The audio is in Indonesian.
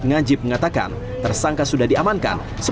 ya kita akan lakukan proses